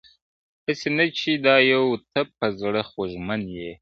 • هسي نه چي دا یو ته په زړه خوږمن یې -